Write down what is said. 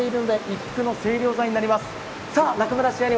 一服の清涼剤になります。